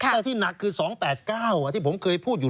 แต่ที่หนักคือ๒๘๙ที่ผมเคยพูดอยู่